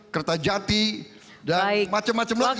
kerta jati dan macem macem lagi